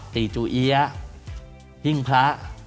ตีจูเอี๊ยะหิ้งพระ